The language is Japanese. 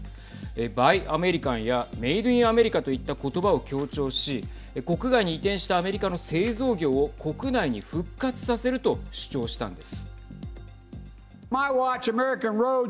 バイ・アメリカンやメイド・イン・アメリカといった言葉を強調し国外に移転したアメリカの製造業を国内に復活させると主張したんです。